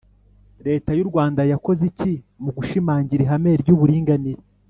Leta y’u Rwanda yakoze iki mu gushimangira ihame ry’uburinganire